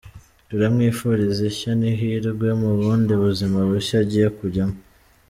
Turamwifuriza ishya n’ihirwe mu bundi buzima bushya agiye kujyamo.